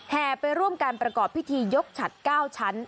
ไปร่วมการประกอบพิธียกฉัด๙ชั้น